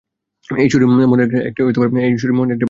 এই শরীর মনের একটি বাহ্য আবরণ মাত্র।